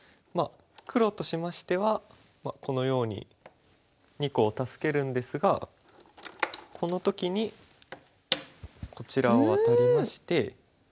まあ黒としましてはこのように２個を助けるんですがこの時にこちらをワタりまして。